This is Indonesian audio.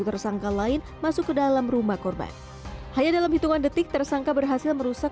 tersangka lain masuk ke dalam rumah korban hanya dalam hitungan detik tersangka berhasil merusak